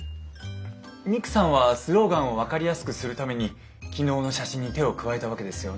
ミクさんはスローガンを分かりやすくするために昨日の写真に手を加えたわけですよね？